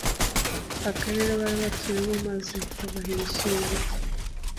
akarere bari batuyemo maze babaha ibishyimbo.